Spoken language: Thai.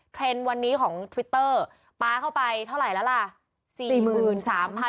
เทรนด์วันนี้ของทวิตเตอร์ปลาเข้าไปเท่าไหร่แล้วล่ะ